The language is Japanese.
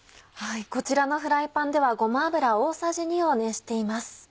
こちらのフライパンではごま油大さじ２を熱しています。